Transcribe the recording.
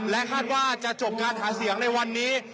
คาดว่าจะจบการหาเสียงในวันนี้